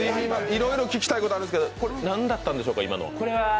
いろいろ聞きたいことあるんですが、今の何だったんでしょう？